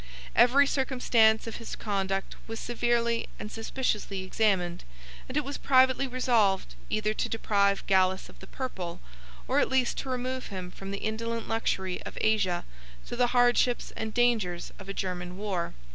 Every circumstance of his conduct was severely and suspiciously examined, and it was privately resolved, either to deprive Gallus of the purple, or at least to remove him from the indolent luxury of Asia to the hardships and dangers of a German war.